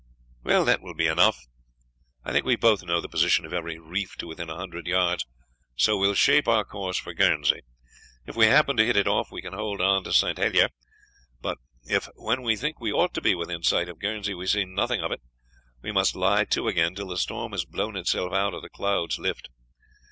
"That will be enough. I think we both know the position of every reef to within a hundred yards, so we will shape our course for Guernsey. If we happen to hit it off, we can hold on to St. Helier, but if when we think we ought to be within sight of Guernsey we see nothing of it, we must lie to again, till the storm has blown itself out or the clouds lift.